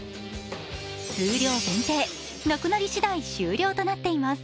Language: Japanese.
数量限定、なくなり次第終了となっています。